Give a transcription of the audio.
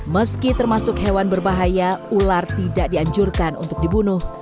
meski termasuk hewan berbahaya ular tidak dianjurkan untuk dibunuh